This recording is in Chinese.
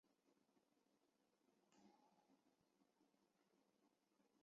尚育是琉球国第二尚氏王朝的第十八代国王。